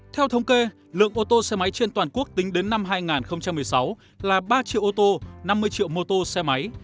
theo thống kê lượng ô tô xe máy trên toàn quốc tính đến năm hai nghìn một mươi sáu là ba triệu ô tô năm mươi triệu mô tô xe máy